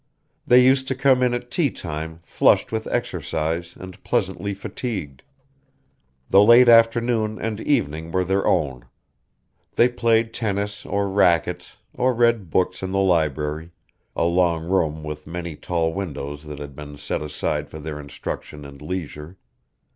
They used to come in at tea time flushed with exercise and pleasantly fatigued. The late afternoon and evening were their own. They played tennis or racquets, or read books in the library, a long room with many tall windows that had been set aside for their instruction and leisure.